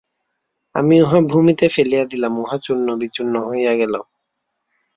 আমি উহা ভূমিতে ফেলিয়া দিলাম, উহা চূর্ণবিচূর্ণ হইয়া গেল।